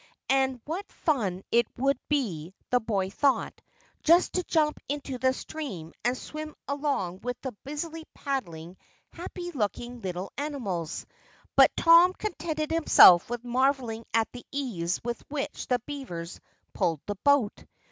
And what fun it would be, the boy thought, just to jump into the stream and swim along with the busily paddling happy looking little animals. But Tom contented himself with marveling at the ease with which the beavers pulled the boat.